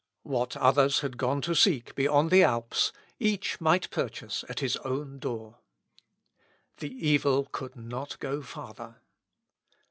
What others had gone to seek beyond the Alps, each might purchase at his own door. The evil could not go farther.